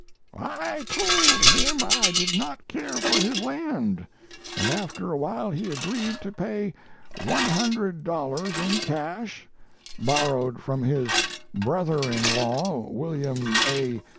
"I told him I did not care for his land, and after a while he agreed to pay $100 in cash (borrowed from his brother in law, William A.